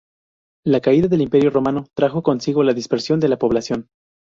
La caída del Imperio Romano trajo consigo la dispersión de la población.